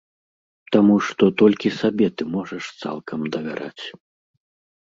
Таму што толькі сабе ты можаш цалкам давяраць.